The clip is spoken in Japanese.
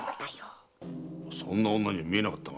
そんな女には見えなかったが。